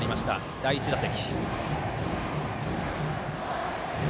第１打席。